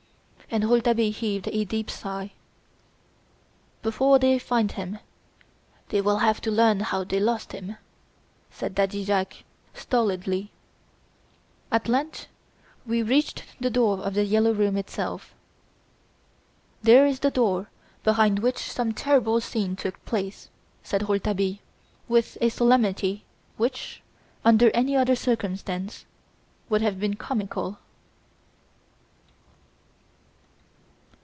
And Rouletabille heaved a deep sigh. "Before they find him, they will have to learn how they lost him," said Daddy Jacques, stolidly. At length we reached the door of "The Yellow Room" itself. "There is the door behind which some terrible scene took place," said Rouletabille, with a solemnity which, under any other circumstances, would have been comical.